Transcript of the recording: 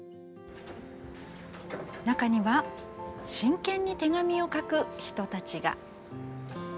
中には真剣に手紙を書く人たちが。